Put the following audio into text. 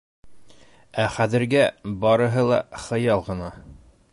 Ә хәҙергә - барыһы ла хыял ғына.